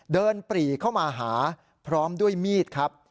ปรีเข้ามาหาพร้อมด้วยมีดครับ